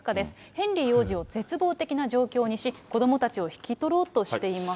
ヘンリー王子を絶望的な状況にし、子どもたちを引き取ろうとしています。